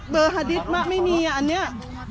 เบอร์ฮาดิสมะไม่มีอ่ะอันนี้